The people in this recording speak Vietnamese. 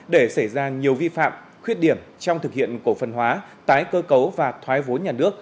để xảy ra nhiều vi phạm khuyết điểm trong thực hiện cổ phần hóa tái cơ cấu và thoái vốn nhà nước